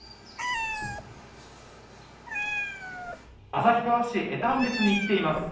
旭川市江丹別に来ています。